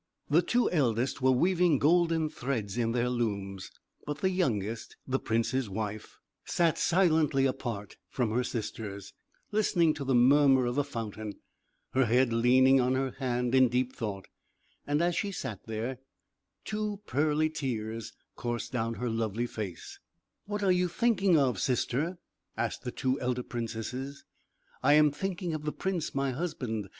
The two eldest were weaving golden threads in their looms; but the youngest, the prince's wife, sat silently apart from her sisters, listening to the murmur of a fountain, her head leaning on her hand, in deep thought. And as she sat there two pearly tears coursed down her lovely face. [Illustration: THE TRUANT WIFE IS CAPTURED] "What are you thinking of, sister?" asked the two elder princesses. "I am thinking of the prince, my husband.